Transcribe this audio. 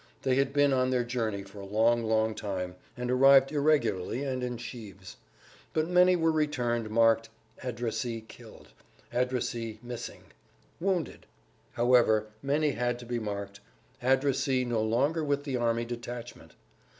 They had been on their journey for a long, long time, and arrived irregularly and in sheaves. But many were returned, marked, "Addressee killed," "Addressee missing," "Wounded." However, many had to be marked, "Addressee no longer with the army detachment."